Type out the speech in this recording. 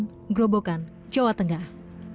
pembangunan grobogan jawa tengah